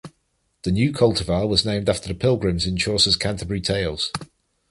The new cultivar was named after the pilgrims in Chaucer’s Canterbury Tales.